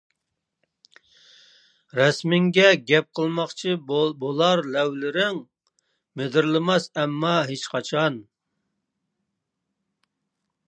رەسىمىڭگە گەپ قىلماقچى بولار لەۋلىرىڭ، مىدىرلىماس ئەمما ھېچقاچان.